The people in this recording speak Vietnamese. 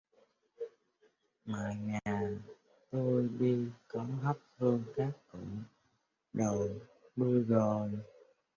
Mà Nhà tôi đi có thắp hương các cụ đầu đuôi rồi